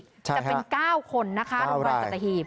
มันเป็น๙คนนะคะโรงพยาบาลสัตวรรภ์ศัตราหีบ